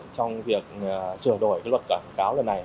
trong việc sửa đổi luật quảng cáo lần này